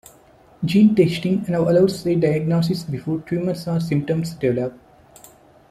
Gene testing now allows a diagnosis before tumors or symptoms develop.